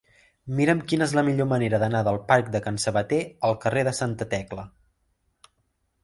Mira'm quina és la millor manera d'anar del parc de Can Sabater al carrer de Santa Tecla.